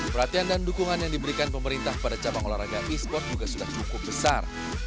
perhatian dan dukungan yang diberikan pemerintah pada cabang olahraga e sport juga sudah cukup besar